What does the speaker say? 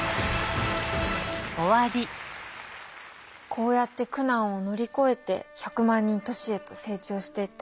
こうやって苦難を乗り越えて１００万人都市へと成長していったんだ。